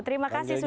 terima kasih sudadi